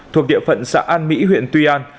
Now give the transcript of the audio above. thuộc địa phận xã an mỹ huyện tuy an